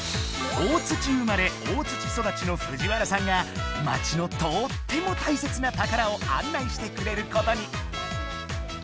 大生まれ大育ちの藤原さんが町のとってもたいせつな宝を案内してくれることに。